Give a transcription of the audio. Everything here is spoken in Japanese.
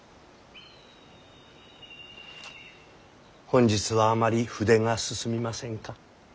本日はあまり筆が進みませんか。